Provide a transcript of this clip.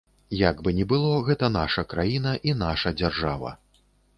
Як бы ні было, гэта наша краіна і наша дзяржава.